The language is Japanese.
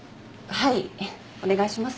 はいお願いします。